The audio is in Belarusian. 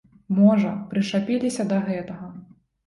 Можа, прычапіліся да гэтага.